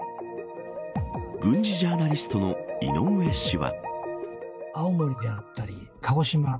軍事ジャーナリストの井上氏は。